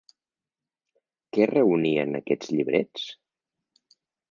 Què reunien aquests llibrets?